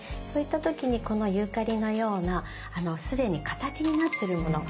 そういった時にこのユーカリのような既に形になってるもの。